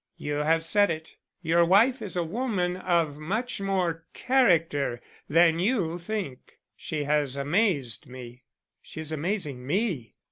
"You have said it. Your wife is a woman of much more character than you think. She has amazed me." "She is amazing me.